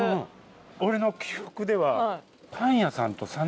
俺の記憶では。